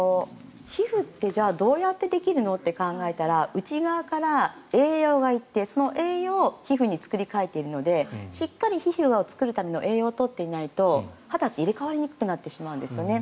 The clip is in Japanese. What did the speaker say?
皮膚ってどうやってできるのって考えたら内側から栄養が行ってその栄養を皮膚に作り替えているのでしっかり皮膚を作るための栄養を取っていないと肌って入れ替わりにくくなってしまうんですね。